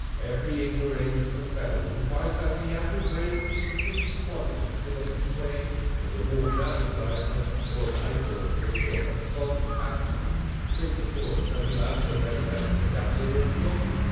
Every ignoramus of a fellow who finds that he hasn't brains in sufficient quantity to make his way as a walking advertiser, or an eye sore prig, or a salt and batter man, thinks, of course, that he'll answer very well as a dabbler of mud.